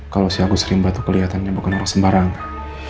kalau si agus rimba tuh keliatannya bukan orang sembarangan